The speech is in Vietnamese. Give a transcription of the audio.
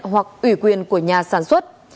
hoặc ủy quyền của nhà sản xuất